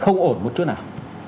không ổn một chút nào